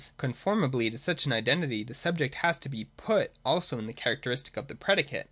Conformably to such an identity the subject has to be put also in the characteristic of the predicate.